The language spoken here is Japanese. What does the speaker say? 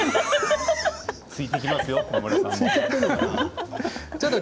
ついていきますよ駒村さんも。